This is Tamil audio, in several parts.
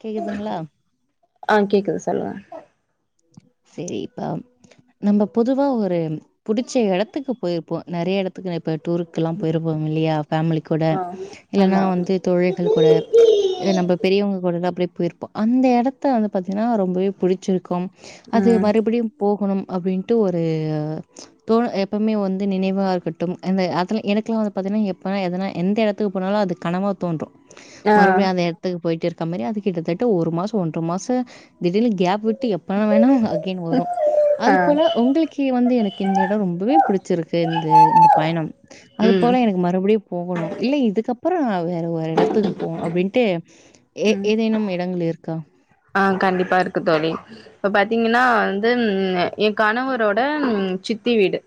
கேக்குதுங்களா ஆ கேக்குது சொல்லுங்க சேரிப்பா நம்ப பொதுவா ஒரு புடிச்ச எடத்துக்கு போயிருப் போ நெறையா எடத்துக்கு நா இப்ப டூருக்குலா போயிருப்போம் இல்லையா ஃபேமிலி கூட ஆ இல்லனா ஆமா வந்து தோழிகள் கூட இதுவே நம்ப பெரியவுங்க கூடல அப்டியே போயிருப்போ அந்த எடத்த வந்து பாத்திங்கன்னா ரொம்பவே பிடிச்சிருக்கும் அது ம் மறுபடியு போகணும் அப்டின்ட்டு ஒரு தோணு எப்பவுமே வந்து நினைவா இருக்கட்டும் அந்த அதுல என்க்குலா வந்து பாத்தீங்கனா எப்போனா எதுனா எந்த எடத்துக்கு போனாலு அதுக் கனவா தோன்று ஆ மறுபடியு அந்த எட ட்த்துக்கு போயிட்டு இருக்க மாரி அது கிட்டத்தட்ட ஒரு மாச ஒன்ற மாச திடீர்னு கேப் விட்டு எப் பணோ வேணா அகைன் வரு ஆ அது போல உங்களுக் தி வந்து எனக்கு இந்த எட ரொம்பவே புடிச்சிருக்கு இந்த இந்த பயணம் அது ம் போல எனக் மறுபடியு போகணு இல்ல இதுக்கப்பற வேற ஒரு எடத்துக்கு போ அப்டின்ட்டு ஏ ம் ஏதேனும் எடங்கள் இருக்கா ஆ கண்டிப்பா இருக்கு தோழி இப்ப பாத்தீங்கன்னா வந்து எ கணவரோட சித்தி வீடு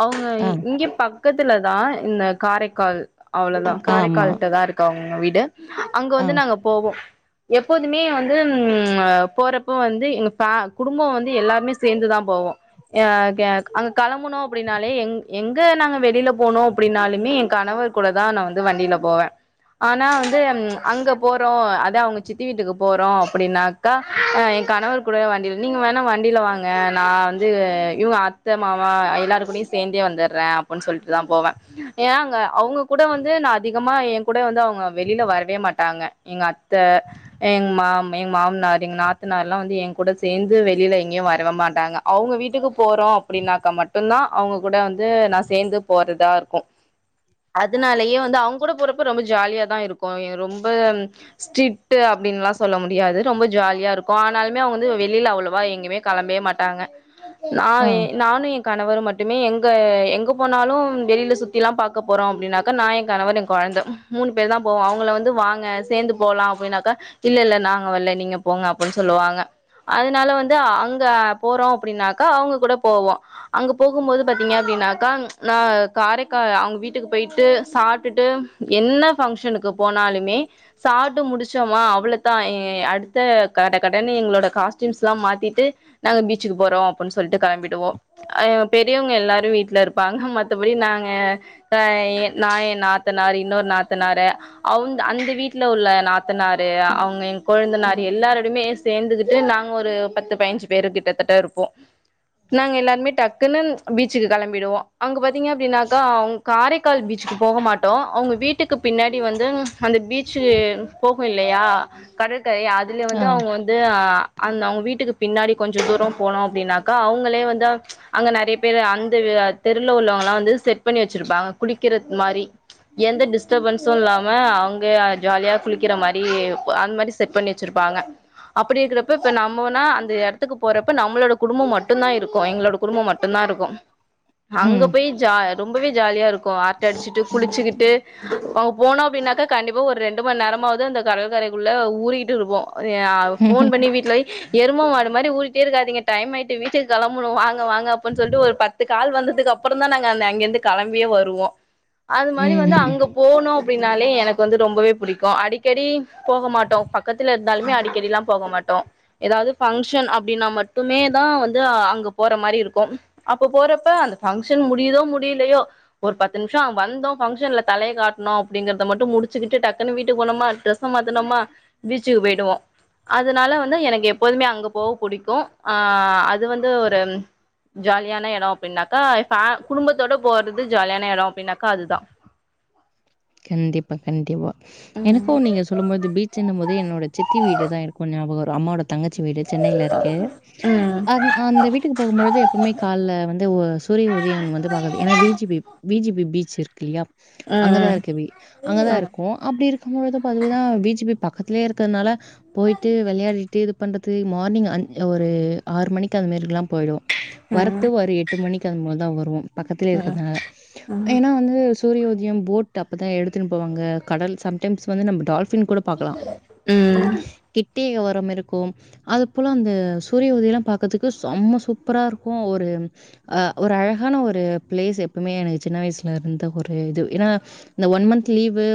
அவுங்க ஆ, இங்கே பக்கத்துல தா இந்த காரைக்கால் அவ்ளோதா ஆமா. காரைக்கால்ட்ட தா இருக் க அவுங்க வீடு அங்க ஆ, வந்து நாங்க போவோ எப்போதுமே வந் ம் அ போறப்ப வந்து எங்க பே குடும்போ வந்து எல்லாருமே சேர்ந்துதா போவோ அ கேக் அங்க கெளம்புனோ அப்டின்னாலே எங் எங்க நாங்க வெளில போனோ அப்டின்னாலுமே எ கணவர் கூட தா நா வந்து வண்டில போவே ஆனா வந்து அங்க போறோ அதா அவுங்க சித்தி வீட்டுக்கு போற் வா அப்டின்னாக்கா அ எ கணவர் கூட வண்டில நீங்க வேணா வண்டில வாங்க நா வந்து இவ்ங்க அப் த்தமாவா எல்லாரு கூடயு சேந்தே வந்துட்றே அப்டின் சொல்ட்டு தா போவே ஏ அங்க அவுங்க கூட வந்து நா அதிகமா எ கூட வந்து அவுங்க வெளில வரவே மாட்டாங்க எங்க அத்த எங் மா எங்க மாமனார் எங்க நாத்தனார்ல்லா வந்து எ கூட சேந்து வெளியில எங்கயு வரவே மாட்டாங்க அவுங்க வீட்டுக்கு போறோ அப்டின்னாக்கா மட்டு தா அவுங்க கூட வந்து நா சேந்து போறதா இர்க்கு அதனாலயே வந் அந்த அவ்ங் கூட போறப்ப ரொம்ப ஜாலிய தா இருக்கு ரொம்ப ஸ்ரிட்டு அப்டின்லா ஸ் சொல்ல முடியாது ரொம்ப ஜாலியா இருக்கு ஆனாலுமே அவுங்க வந்து வெளியில அவ்வளவா எங்கயுமே கிளம்பவே மாட்டாங்க நா ஆ, எ நானு எங் கணவர் மட்டுமே எங்க எங்க போனாலு வெளியில சுத்தி எல்லா பாக்க போறோ அப்டின்னாக்கா நா எ கணவரு எ குழந்த மூணு பேருதா போவோ அவங்கள வந்து வாங்க சேர்ந்து போகலா அப்டின்னாக்கா இல்ல இல்ல நாங்க வல்ல நீங்க போங்க அப்டின்னு சொல்லுவாங்க அதுனால வந்து அங்க போறோ அப்படின்னாக்கா அவுங்க கூட போவோ அங்க போகுபோது பாத்தீங்கன்னாக்க அப்படின்னாக்கா ந காரைக்கால் வீட்டுக்கு போயிட்டு சாப்ட்டுட்டு என்ன பங்ஷனுக்கு போனாலுமே சாப்ட்டு முடிச்சோமா தா எ அடுத்த கட கடனு எங்களோட காஸ்டியூம்ஸ்ல்லா மாத்திட்டு நாங்க பீச்சிக்கு போறோ அப்டின்னு சொல்லிட்டு கிளம்பிடுவோ பெரியவங்க எல்லாரு வீட்டுல ப்பாங்க மத்தபடி நாங்க ஆ நா எ நாத்தனாரு இன்னொரு நாத்தனாரு அந்த வீட்டுல உள்ள நாத்தனாரு எங்க கொழுந்தனாறு எல்லாருடமே சேந்துகிட்டு நாங்க ஒரு பத்து பைஞ்சி பேரு கிட்டத்தட்ட இருப்போ நாங்க எல்லாருமே டக்குன்னு பீச்சிக்கு கிளம்பிடுவோ அங்க பாத்தீங்க அப்டின்னாக்கா அவுங் காரே முக்கால் பீச்சுக்கு போக மாட்டோ அவுங்க வீட்டுக்கு பின்னாடி வந்து அந்த பீச்சு போகுல்லியா கடற்கரையா அதுல ஆ. வந்து அவுங்க வந்து அந்த அவுங்க வீட்டுக்கு பின்னாடி கொஞ்ச தூரோ போனோ அப்டின்னாக்கா அவுங்களே வந்து அங்க நெறைய பேரு அந்த தெருல உள்ளவங்க எல்லா வந்து செட் பண்ணி வச்சிருப்பாங்க குளிக்கிறத்கு மாரி எந்த டிஸ்டபன்ஸூ இல்லாம அவுங்க ஜாலியா குளிக்கிற மாரி அந் மாரி செட் பண்ணி வச்சுருப்பாங்க அப்டி இருக்குறப்ப இப்ப நம்மோனா அது போறப்ப நம்மளோட குடும்போ மட்டுந் தா இருக்கு எங்களோட குடும்போ மட்டுந்தா இருக்கு அங்க ம், போய் ஜா ரொம்பவே ஜாலியா இருக்கு அரட்ட அடுசுக்ட்டு குளிச்சிக்கிட்டு அங்க போனோ அப்டின்னாக்கா கண்டிப்பா ஒரு ரெண்டு மண் நேரமாவது அந்த கடற்கரைக்குள்ள ஊறிக்கிட்டு இருப்போ போன் பண்ணி வீட்லவோய் எரும மாடு மாரி ஊரிட்டே இருக்காதீங்க டைம்மாய் வீட்டுக்கு கிளம்பணு வாங்க வாங்க அப்படின்னு சொல்லிட்டு ஒரு பத்து கால் வந்ததுகப்போறோ அப்புறந் தா நாங்க அந்த அங்கிருந்து கெளம்பியே வருவோ அது மாரி வந்து ம். அங்க போனோ அப்டின்னாலே எனக்கு வந்து ரொம்பவே புடிக்கு அடிக்கடி போக மாட்டோ பக்கத்துல இருந்தாலுமே அடிக்கடில்லா போக மாட்டோ ஏதாவுது பங்க்ஷன் அப்டின்னா மட்டுமே தா வந்து அங்க போற மாரி இருக்கு அப்ப போறப்ப அந்த பங்க்ஷன் முடியுதோ முடியலையோ ஒரு பத்து நிமிஷ ஆகு வந்த பங்க்ஷன்ல தலைய காட்டுணோ அப்படிங்கறத மட்டும முடிச்சிக்கிட்டு டக்குன்னு வீட்டுக்கு போனமா டெரஸ் மாத்துனோமா பீச்சுக்கு போயிடுவோ அதுனால வந்து எனக்கு எப்போதுமே அங்க போக புடிக்கு ஆ அது வந்து ஒரு ஜாலியான எடோ அப்டின்னாக்கா ஃபே குடும்பத்தோட போறது ஜாலியான எடோ அப்டின்னாக்கா அதுதா கண்டிப்பா கண்டிப்பா ம் எனக்கு நீங்க சொல்லும்போது பீச்செனும்போது என்னோட சித்தி வீடு தா இருக்கு ஞாபகோ வரு அம்மாவோட தங்கச்சி வீடு சென்னையில இருக்கு ம் அந்த வீட்டுக்கு போம்பொழுது எப்பவுமே கால்லே வந்து சூரிய உதயோ வந்து பாக்காது ஏனா beach view V G B beach இருக்கு இல்லையா ம் அங்கதா ம் இருக்கு எவீடு அங்கதா இருக்கு அப்டி இருக்கும்போது பாதிங்னா தா விஜிபி பக்கத்தில இத்தனால போயிட்டு வெளயாடிட்டு இது பண்றது மார்னிங் அஞ் ஒரு ஆறு மணிக்கு அது மாரிகுலா போயிடுவோ ம் வரத்து ஒரு எட்டு மணிக்கு அந் மார்தா வரு பக்கத்துலயே ம் இருக்கிறதுனால ஏனா வந்து சூரிய உதய போட்டு அப்பத எடுத்துனு போவாங்க கடல் சம்டைம்ஸ் வந்து நம்ம டிர்க் [unintelligible] கூட பாக்கலாம் ம் கிட்டிய உரம் இருக்கும் அது போல அந்த சூரிய உதல்லாம் பாக்கறதுக்கு செம்ம சூப்பராக இருக்கும் ஒரு அ ஒரு அழகான ஒரு பிளேஸ் எப்பவுமே எனக்கு சின்ன வயசுல இருந்த ஒரு இது ஏன்னா இந்த ஒன் மந்த் லீவு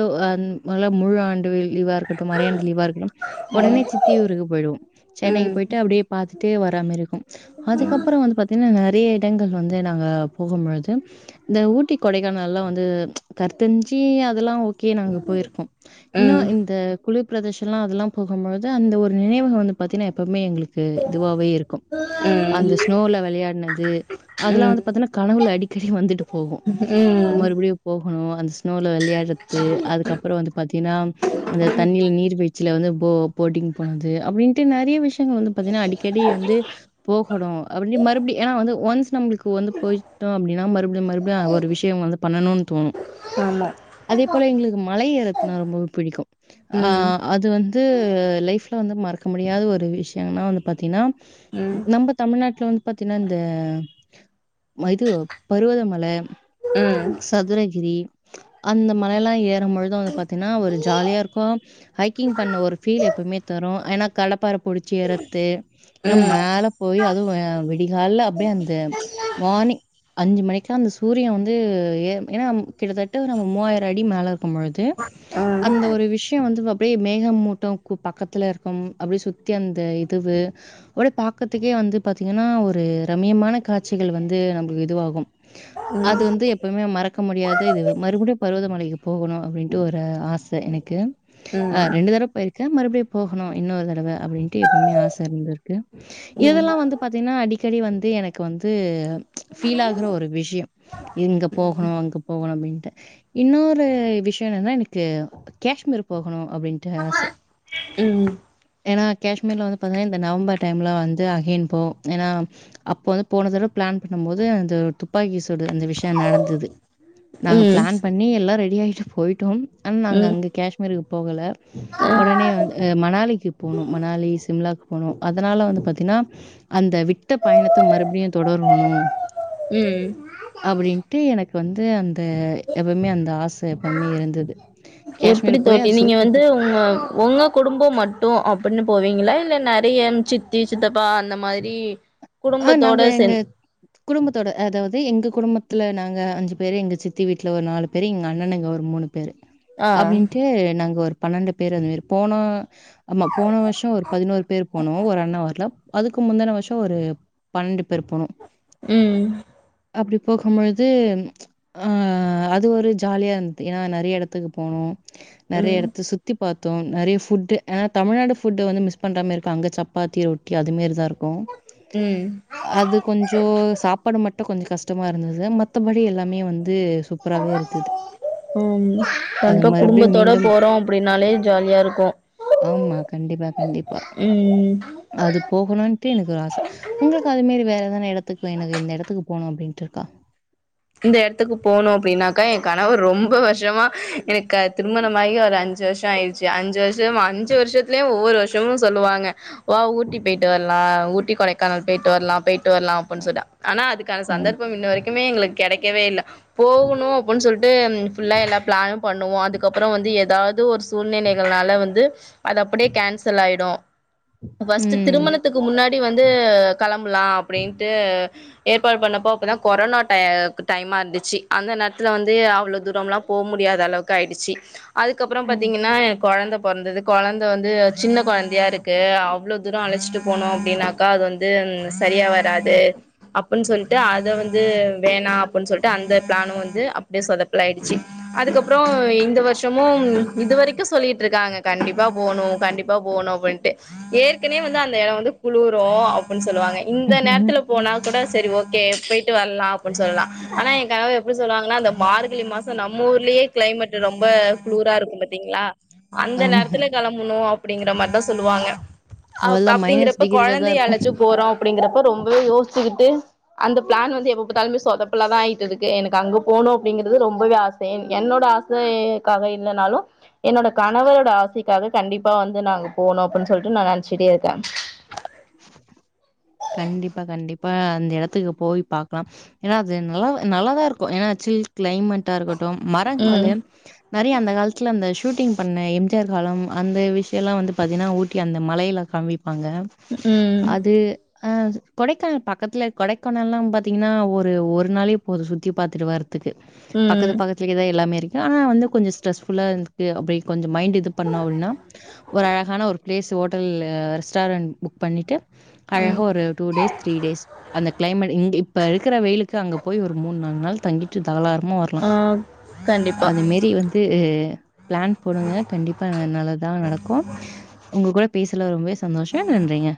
இல்ல முழு ஆண்டு லீவா இருக்கட்டும் அறையாண்டு லீவா இருக்கட்டும் உடனே சி தீஊருக்கு போயிடுவோ சென்னைக்கு போயிட்டு அப்டியே பாரத்துட்டே வராமாரி இருக்கும் அதுக்கப்புறம் வந்து பாத்தீங்கன்னா நெறைய இடங்கள் வந்து நாங்கள் போகும் பொழுது இந்த ஊட்டி கொடைக்கானல்லா வந்து தெரிஞ்சு அதெல்லாம் ஓகே நாங்கள் போயிருக்கோம் இன்னும் ம் இந்த குளிர் பிரதர்ஷனலாம் அதெல்லாம் போகும்பொழுது அந்த ஒரு நினைவகம் வந்து பாத்தீங்கன்னா எப்பவுமே எங்களுக்கு இதுவாவே இருக்கும் ம் அந்த ஸ்னோவில்ல வெளையாடுனது அதெலாம் ம் வந்து பாத்தினா கனவுல் அடிக்கடி வந்துட்டு போகும் ம் போகணும் அந்த ஸ்னோல வெளையாடுறது அதுக்கப்பறம் வந்து பாத்தீங்கன்னா அந்த தண்ணியில நீர் பிய்ச்சில வந்து போட்டிங் போனது அப்டின்னுட்டு நெறைய விஷயம் வந்து பாத்தீங்கன்னா அடிக்கடி வந்து போகணும் அப்பட மறுபடியும் ஏன்னா வந்து ஒன் நம்ளுக்கு இப்ப வந்து போய்டிட்டோம் அப்பின்னா மறுபடியும் மறுபடியும் ஒரு விஷயம் வந்து பண்ணணும்ன்னு தோணும் ஆமா அதே போல எங்களுக்கு மலை ஏறத்துனா ரொம்பவே பிடிக்கும் ம் அது வந்து லைஃப்பில வந்து மறக்க முடியாத ஒரு விஷயம்னா வந்து பாத்தீங்கன்னா ம் ம் நம்பத் தமிழ்நாட்டுல வந்து பாத்தீங்கன்னா இந்த இது பருவதமல ம் சதுரகிரி அந்த மலைல்லாம் ஏறும் முழுதும் வந்து பாத்தீங்கன்னா ஒரு ஜாலியா இருக்கும் ஹைக்கிங் பண்ண ஒரு பீல் எப்பவுமே தரும் ஏனா கடப்பற பொழிச்சி ஏறத்து ஏன்னா ம் மேல போய் அதுவும் விடிகால்ல அப்டியே அந்த மார்னிங் அஞ்சு மணிக்கெல்லாம் அந்த சூரியன் வந்து ஏன்னா கிட்டத்த நம்ம மூவாயிரம் அடி மேல இருக்கும்பொழுது அந்த ஒரு விஷயம் வந்து அப்டியே மேகம் மூட்டம் பக்கத்தில் இருக்கும் அப்டியே சுற்றி அந்த இதுவு ஒடே பாக்கறதுக்கே வந்து பாத்தீங்கன்னா ஒரு ரம்மியமான காட்சிகள் வந்து நமக்கு இதுவாகும் அது வந்து எப்பவுமே மறக்க முடியாத இது மறுபடியு பருவதமலைக்கு போகணும் அப்டின்ட்டு ஒரு ஆசை எனக்கு ஆ ரெண்டு தடவ போயிரு மறுபடியும் போகணும் இன்னொரு தடவை அப்டின்ட்டு எப்பவுமே ஆசை இருந்த இருக்கு இதெல்லாம் வந்து பாத்தீங்கன்னா அடிக்கடி வந்து எனக்கு வந்து ஃபீல் ஆகுற ஒரு விஷயம் இங்க போகணும் அங்க போகணும் அப்டின்னுட்டு இன்னொரு விஷயம் என்னன்னா எனக்கு காஷ்மீர் போகணும் அப்டின்னு த ஆசை ஏனா காஷ்மீர்ல வந்து பாத்தீங்கன்னா இந்த நவம்பர் டைம்ல வந்து அகின் போ ஏனா அப்போ வந்து போனதட பிளான் பண்ணும் போது அந்த துப்பாக்கி சொடு அந்த விஷயம் நடந்தது நாங்க பிளான் பண்ணி எல்லாம் ரெடி ஆகிட்டு போயிட்டோம் அண்ண நாங்கள் ம் அங்கே காஷ்மீருக்கு போகல உடனே வந்து மணாலிக்கு போனோ மணாலி சிம்லா போனு அதுனால வந்து பாத்தின்னா அந்த விட் மத்த பயணத்த மறுப்டியு தொடருணு ம் ம் அப்டின்ட்டு எனக்கு வந்து அந்த எப்பமே அந்த ஆசை எப்பமே இருந்தது எப்டி காஷ்மீர் போய் தோழி அது நீங்க சுத் வந்து உங்க உங்க குடும்போ மட்டும் அப்டின்னு போவீங்களா இல்ல நெறைய சித்தி சித்தப்பா அந்த மாதிரி ஆ குடும்பத்தோட நாங்க எங்க சென் குடும்பத்தோட அதாவது எங்க குடும்பத்துல நாங்க அஞ்சு பேரு எங்க சித்தி வீட்டுல ஒரு நாலு பேரு எங்க அண்ணனுங்க ஒரு மூணு பே பேரு ஆ அப்டின்ட்டு நாங்க ஒரு பனெண்டு பேரு அந்மாறி போனோ ஆமா போன வருஷோ ஒரு பதினோரு பேர் போனோ ஒரு அண்ணா வர்ல அதுக்கு முந்துன வருஷோ ஒரு பன்னெண்டு பேர் போனோ ம் அப்டி போகும் பொழுது ஆ அது ஒரு ஜாலியா இருந்துது ஏன்னா நெறையா எடத்துக்கு போனோ நெறைய ம் எடத்த சுத் சுத்தி பாத்தோ நெறைய ஃபுட்டு ஏனா தமிழ்நாடு ஃபுட்ட வந்து மிஸ் பண்றமாருக்கு அங்க சப்பத்தி ரொட்டி அதுமேரிதா இருக்கு ம் அது கொஞ்சோ சாப்பாடு மட்டு கொஞ்சோ கஷ்டமா இருந்தது மத்தபடி எல்லாமே வந்து சூ சூப்பராவே இருந்துது ம் கண்டிப்பா குடும்பத்தோட மீண்டும் போறோ அப்டின்னாலே ஜாலியா இருக்கூ ஆமா கண்டிப்பா கண்டிப்பா ம் அது போகணுன்டு எனக்கு ஒரு ஆச உங்களுக்கு அதேமேறி வேற எதான எடத்துக்கு எனக்கு இந்த எடத்துக்கு போணு அப்டின்ட்டு இருக்கா இந்த எடத்துக்கு போணு அப்டின்னாக்க என் கணவர் ரொம்ப வருஷோமா எனக்கு திருமணமாகி ஒரு அஞ்சு வருஷோ ஆயிருச்சு அஞ்சு வருஷோ அஞ்சு வருஷத்துலயு ஒவ்வொரு வருஷமு சொல்வாங்க வா ஊட்டி பொயிட்டு வர்லா ஊட்டி கொடைக்கானல் பொயிட்டு வர்லா பொயிட் ட்டு வர்லா அப்புன்னு சொல்ல ஆனா அதுக்கான ம். சந்தர்பம் இன்ன வரைக்குமே எங்களுக் கெடைக்கவே இல்ல போகணு அப்புன் சொல்ட்டு ஃபுல்லா எல்லா பிளானு பண்ணுவோ அதுக்கப்புறோ வந்து எதாவ்து ஒரு சூழ்நிலைகளால வந்து அது அப்படே கேன்சல் ஆயிடு ஃபஸ்ட் ம். திருமண த்துக்கு முன்னாடி வந்து கெளம்ப்லா அப்டின்ட்டு ஏற்பாடு பண்ணப்போ அப்பதா கொரோனா டைய டைமா இருந்துச்சி அந்த நேரத்துல வந்து அவ்ளோ தூரம்ல்லா போ முடியாத அளவுக்கு ஆயிடுச்சி அதுக்கப்றொ பாத்திங்கன்னா னக் கொழந்த பொறந்தது கொழந்த வந்து சின்ன கொழந்தையா இருக்கு அவ்ளோ தூரோ அழச்சிட்டு போனோ அப்டின்னாக்கா அது வந் து சரியா வராது அப்புன்னு சொல்ட்டு அத வந்து வேணா அப்புன் சொல்ட்டு அந்த பிளானு வந்து அப்டியே சொதப்பல் ஆயிடுச்சி அதுக்கப்புறோ இந்த வருஷமும் இதுவரைக்கு சொல்லிட்ருக்காங்க கண்டிப்பா போணு கண்டிப்பா ப்ப போணு அப்பின்ட்டு ஏற்கனவே வந்து அந்த எடோ வந்து குளுரூ அப்புன்னு சொல்லுவாங்க இந்த ம். நேரத்துல போனா கூட சரி ஓகே போயிட்டு வர்லா அப்புன்னு சொல்லலா ஆனா ஏ கணவர் எப்புடி சொல்லுவாங்கன்னா இந்த மார்கழி மாசோ நம்ம ஊர்லேயே க்ளைமேட்டு ரொம்ப குளூரா இருக்கூ பத் திங்ளா அந்த ஆமா. நேரத்துல கெளம்புணு அப்டிங்கற மாரிதா சொல்லுவாங்க அப் அவள்லாம் மைனஸ் அப்டிங்கிறப்ப டிகிரில தான் கொழந்தைய இருப்போம். அழச்சு போறோ அப்டிங்கறப ரொம்பவே யோசிச்சிக்கிட்டு அந்த பிளான் வந்து எப்ப பாத்தாலுமே சொதப் இப்பலதா ஆயிட்டுதுக்கு எனக்கு அங்க போணு அப்டிங்கிறது ரொம்பவே ஆச என்னோட ஆசைக்காக இல்லனாலு என்னோட கணவரோட ஆசைக்காக கண்டிப்பா வந்து நா அங்க போணு அப்புன்னு சொல்ட்டு நா நெனச்சிட்டே இருக்க கண்டிப்பா கண்டிப்பா அந்த எடத்துக்கு போய் பாக்லாம் ஏன்னா அது நல்லா நல்லாதா இருக்கூ ஏன்னா சில் கிளைமேட்டா இருக்கட்டு மரங்களு ம் நெறைய அந்த காலத்துல அந்த ஷூட்டிங் பண்ண எம் ஜிஆர் காலம் அந்த விஷ்யல்லா வந்து பாத்திங்னா ஊட்டி அந்த மலைல காமி பாங்க ம் அது ஆ கொடைக்கானல் பக்கத்துல கொடைக்கானல்லா பாத்தீங்கன்னா ஒரு ஒரு நாளே போது சுத்தி பாத்துட்டு வர துக்கு பக்கத்து ம் பக்கத்துலதா எல்லாமே இருக்கு ஆனா வந்து கொஞ்சோ ஸ்ட்ரெஸ்ஃபுல்லா இருக்கு அப்டி கொஞ்சொ மைண்டு இது பண்ணோ அப்டின்னா ஒரு அழகான ஒரு ப்ளேஸ் ஹோட்டல் ரெஸ்டாரண்ட் புக் பண்ணிட்டு ம் அழகா ஒரு டூ டேஸ் த்ரீ டேஸ் அந்த கிளைமேட் இங்க இப்ப இருக்குற வெயிலுக்கு அங்க போய் ஒரு மூனு நாலு நாள் தங்கிட்டு தாராளமா வர க்லா ஆ கண்டிப்பா அதுமேரி வந்து து பிளான் போடுங்க கண்டிப்பா நல்லதா நடக்கு உங்க கூட பேசுனதுல ரொம்பவே சந்தோஷோ நன்றிங்க